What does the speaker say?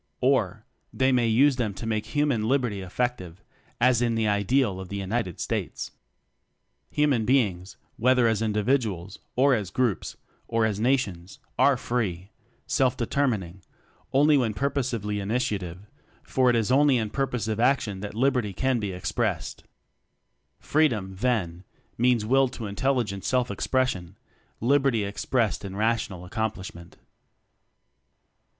Or, they may use them to make hu man Liberty effective, as is the ideal of the United States. Human beings, whether as individ uals, or as groups, or as nations, are "free" self determining only w T hen purposively initiative; for it is only in purposive action that liberty can be expressed. Freedom, then, means will to intelli gent self expression liberty ex pressed in rational accomplishment.